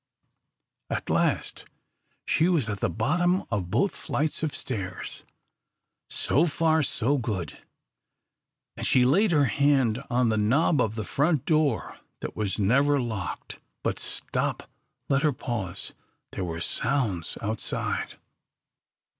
At last she was at the bottom of both flights of stairs. So far so good, and she laid her hand on the knob of the front door that was never locked. But stop, let her pause there were sounds outside.